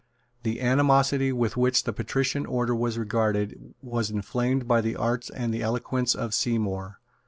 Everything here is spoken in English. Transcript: The animosity with which the patrician order was regarded was inflamed by the arts and the eloquence of Seymour.